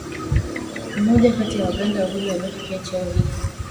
mmoja kati ya Waganda wawili waliofikia cheo hiki